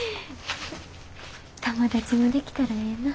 友達もできたらええなぁ。